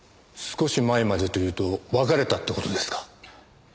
少し前までというと別れたって事ですか？